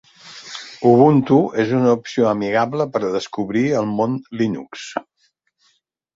Ubuntu es una opció amigable per descobrir el mon Linux